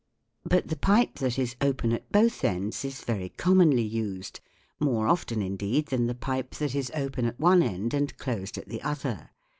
But the pipe that is open at both ends is very commonly used more often, indeed, than the pipe that is open at one end and closed at the other.